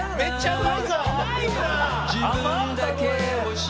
うまいな。